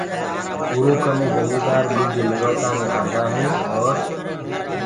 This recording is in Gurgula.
اُرو ڪني جميدآر ٻج ليوآ تآڻي آندآ هين اور